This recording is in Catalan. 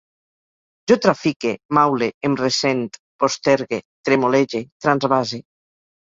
Jo trafique, maule, em ressent, postergue, tremolege, transvase